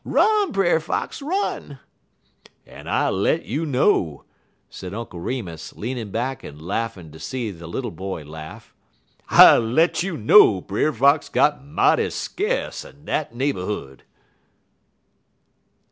Run, Brer Fox, run!' "En I let you know," said Uncle Remus, leaning back and laughing to see the little boy laugh, "I let you know Brer Fox got mighty skace in dat neighborhood!"